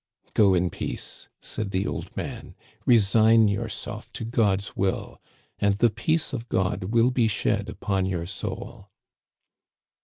Go in peace,' said the old man ;* resign yourself to God's will, and the peace of God will be shed upon your soul.